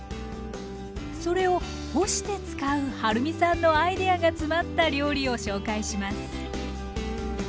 それを干して使うはるみさんのアイデアが詰まった料理を紹介します。